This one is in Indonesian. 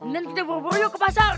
nanti kita boro boro yuk ke pasar